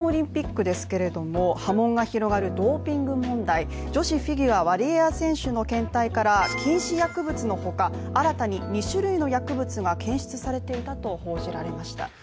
続いてそのさなかに行われている北京オリンピックですけども波紋が広がるドーピング問題、女子フィギュア、ワリエワ選手の検体から禁止薬物のほか、新たに２種類の薬物が検出されていたと報じられました。